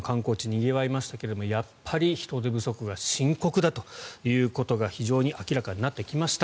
にぎわいましたけどやっぱり人手不足が深刻だということが非常に明らかになってきました。